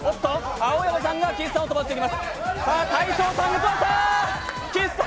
青山さんが岸さんを飛ばしていきます。